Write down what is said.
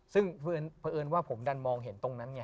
ซึ่งเพราะเอิญว่าผมดันมองเห็นตรงนั้นไง